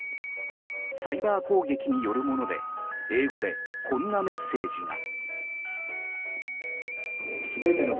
サイバー攻撃によるもので英語で、こんなメッセージが。